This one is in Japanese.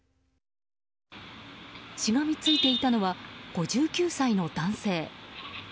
しがみついていたのは５９歳の男性。